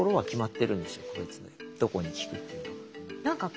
どこに効くっていうのが。